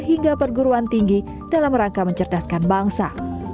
hingga perguruan tinggi dalam rangka mencerdaskan bangsa